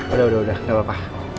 udah udah gak apa apa